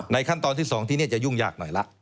ในขั้นตอนที่๒ก็จะยุ่งแยกหน่อยละ